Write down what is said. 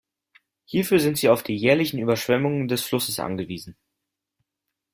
Hierfür sind sie auf die jährlichen Überschwemmungen des Flusses angewiesen.